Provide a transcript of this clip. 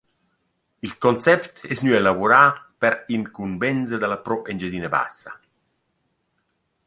Il Concept es gnü elavurà per incumbenza da la Pro Engiadina Bassa.